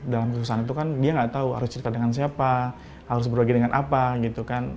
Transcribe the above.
dalam kesusahan itu kan dia nggak tahu harus cerita dengan siapa harus berbagi dengan apa gitu kan